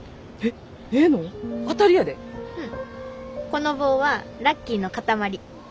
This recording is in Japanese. この棒はラッキーの塊。